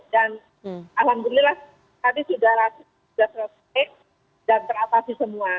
dan alhamdulillah tadi sudah seret dan teratasi semua